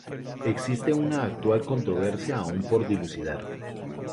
Existe una actual controversia aún por dilucidar.